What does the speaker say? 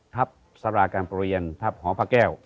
สาราการประเรียนทัพหอพระแก้ว